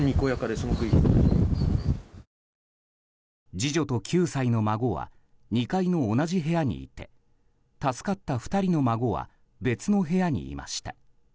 次女と９歳の孫は２階の同じ部屋にいて助かった２人の孫は別の部屋にいました。